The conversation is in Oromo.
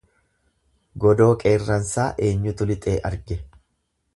Godoo Qeerransaa eenyutu lixee arge.